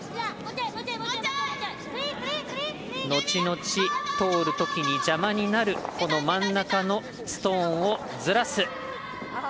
後々、通るときに邪魔になるこの真ん中のストーンをずらす。